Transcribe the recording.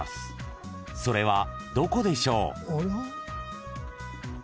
［それはどこでしょう？］